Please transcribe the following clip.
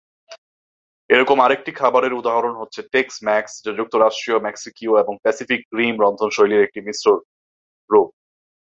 এরকম আরেকটি খাবারের উদাহরণ হচ্ছে টেক্স-মেক্স যা যুক্তরাষ্ট্রীয়, মেক্সিকীয় এবং প্যাসিফিক রিম রন্ধনশৈলীর মিশ্র একটি রূপ।